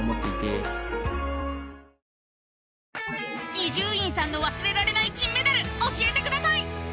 伊集院さんの忘れられない金メダル教えてください！